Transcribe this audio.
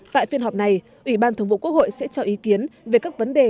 tại phiên họp này ủy ban thường vụ quốc hội sẽ cho ý kiến về các vấn đề